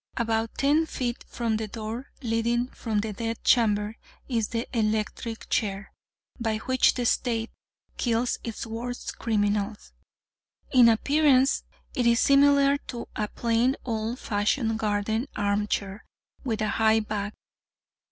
About ten feet from the door leading from the Death Chamber is the electric chair, by which the State kills its worst criminals. In appearance it is similar to a plain, old fashioned garden arm chair, with a high back.